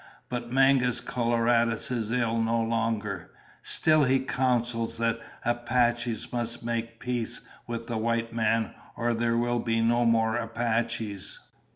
But Mangus Coloradus is ill no longer. Still he counsels that Apaches must make peace with white men or there will be no more Apaches."